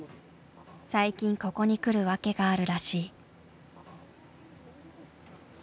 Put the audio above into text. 最近ここに来る訳があるらしい。